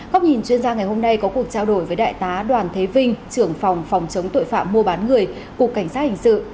góc nhìn chuyên gia ngày hôm nay có cuộc trao đổi với đại tá đoàn thế vinh trưởng phòng phòng chống tội phạm mua bán người cục cảnh sát hình sự